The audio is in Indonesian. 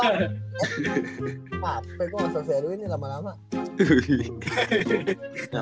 apaan kok gak selesai edwin nih lama lama